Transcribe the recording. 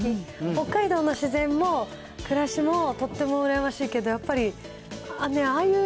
北海道の自然も暮らしもとっても羨ましいけど、やっぱりああいう